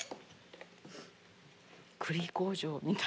栗工場みたい。